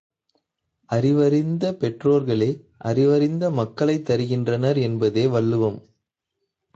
அறிவறிந்த பெற்றோர்களே அறிவறிந்த மக்களைத் தருகின்றனர் என்பதே வள்ளுவம்.